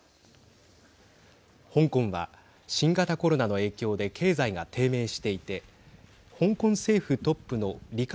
香港は新型コロナの影響で経済が低迷していて香港政府トップの李家